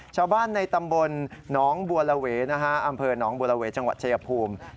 ชาวบ้านในตำบลอำเภอน้องบัวละเวจังหวัดเฉยภูมิ